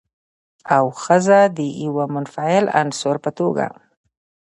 او ښځه د يوه منفعل عنصر په توګه